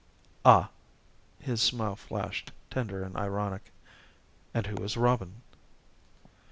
"Ah " His smile flashed, tender and ironic. "And who is Robin?"